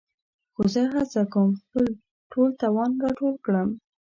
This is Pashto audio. خو زه هڅه کوم خپل ټول توان راټول کړم.